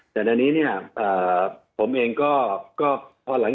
สวัสดีครับทุกคน